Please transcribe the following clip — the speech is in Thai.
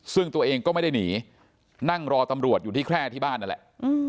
ซึ่งตัวเองก็ไม่ได้หนีนั่งรอตำรวจอยู่ที่แค่ที่บ้านนั่นแหละ